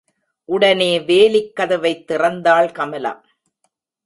உடனே வேலிக் கதவைத் திறந்தாள், கமலா.